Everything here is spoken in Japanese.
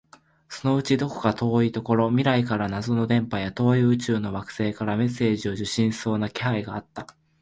そのうちどこか遠いところ、未来から謎の電波や、遠い宇宙の惑星からメッセージを受信しそうな気配があった